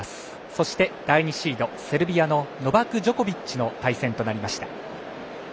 そして第２シード、セルビアのノバク・ジョコビッチの対戦となりました。